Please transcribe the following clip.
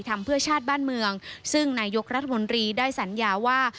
ทำเพื่อชาติบ้านเมืองซึ่งนายกรัฐมนตรีได้สัญญาว่า